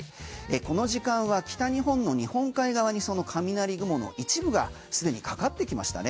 この時間は北日本の日本海側にそのカミナリ雲の一部がすでにかかってきましたね。